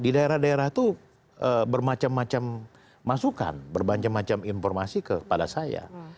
di daerah daerah itu bermacam macam masukan bermacam macam informasi kepada saya